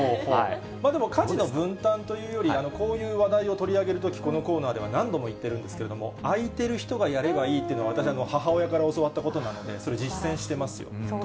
でも家事の分担というより、こういう話題を取り上げるとき、このコーナーでは、何度も言ってるんですけど、空いてる人がやればいいというのが、私、母親から教わったことなので、それ、実践してますよ。